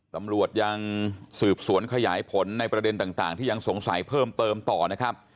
ตำรวจยังสืบสวนขยายผลในประเด็นต่างที่ยังสงสัยเพิ่มเติมต่อนะครับ